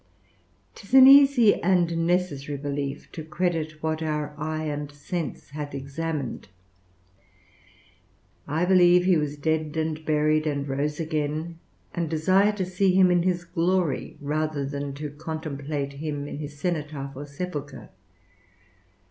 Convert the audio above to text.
'Tis an easy and necessary belief, to credit what our eye and sense hath examined: I believe he was dead and buried, and rose again; and desire to see him in his glory, rather than to contemplate him in his cenotaph or sepulchre.